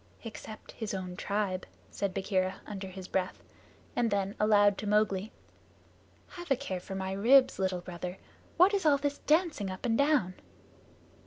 "Except his own tribe," said Bagheera, under his breath; and then aloud to Mowgli, "Have a care for my ribs, Little Brother! What is all this dancing up and down?"